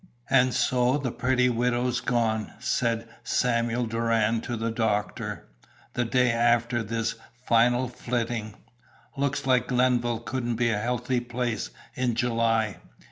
"And so the pretty widow's gone," said Samuel Doran to the doctor, the day after this final flitting. "Looks like Glenville couldn't be a healthy place in July.